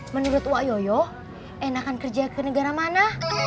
menurut wak yoyo enakan kerja ke negara mana